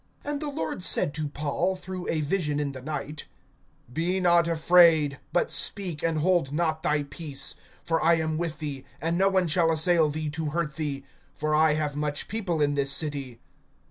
(9)And the Lord said to Paul, through a vision in the night: Be not afraid, but speak, and hold not thy peace; (10)for I am with thee, and no one shall assail thee to hurt thee; for I have much people in this city.